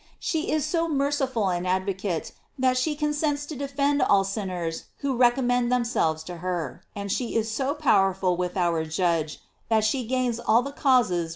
She is so merciful ar advocate, tbal she consents to defend all sinners who recommend themselves to her; and she is so powerful with our Judge that she gains all the causes which she defends.